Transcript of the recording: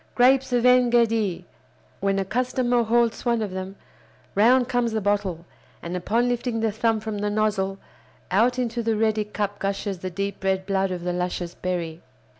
Grapes of En Gedi!" When a customer halts one of them, round comes the bottle, and, upon lifting the thumb from the nozzle, out into the ready cup gushes the deep red blood of the luscious berry.